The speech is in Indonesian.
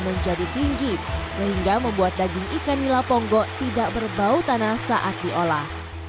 menjadi tinggi sehingga membuat daging ikan nila ponggok tidak berbau tanah saat diolah